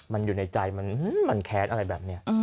มันอยู่ในใจมันทำงานแข็นอื่น